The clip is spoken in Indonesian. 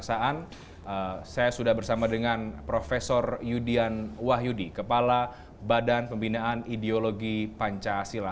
saya sudah bersama dengan prof yudian wahyudi kepala badan pembinaan ideologi pancasila